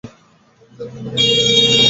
নিজেরা খেতে পারো?